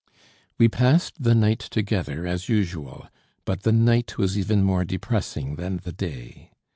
We passed the night together as usual, but the night was even more depressing than the day.